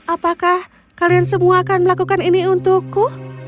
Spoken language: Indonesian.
apakah kalian semua akan melakukan ini untukku